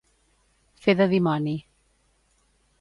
Fer de dimoni.